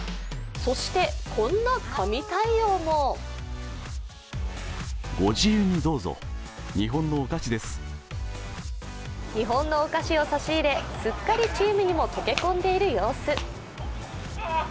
そしてこんな神対応も日本のお菓子を差し入れ、すっかりチームにも溶け込んでいる様子。